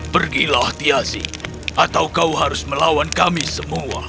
pergilah tiasi atau kau harus melawan kami semua